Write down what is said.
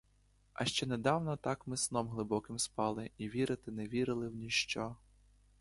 А ще недавно так ми сном глибоким спали і вірити не вірили в ніщо.